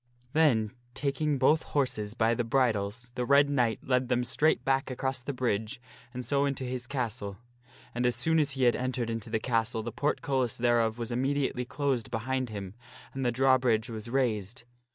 Then taking both horses by the bridles the Red Knight led them straight back across the bridge and so into his castle. And as soon as he had entered into the castle the portcullis thereof was immediately closed behind him and the drawbridge was raised.